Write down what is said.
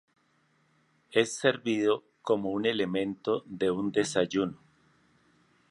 Es servido como un elemento de un desayuno.